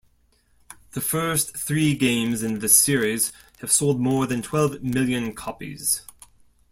The first three games in the series have sold more than twelve million copies.